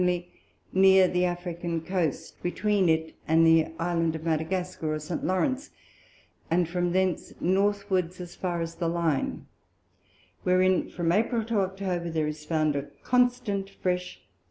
_ near the African Coast, between it and the Island Madagascar or St. Lawrence, and from thence Northwards as far as the Line; wherein from April to October there is found a constant fresh S.